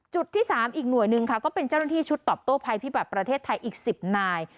ที่๓อีกหน่วยหนึ่งค่ะก็เป็นเจ้าหน้าที่ชุดตอบโต้ภัยพิบัตรประเทศไทยอีก๑๐นาย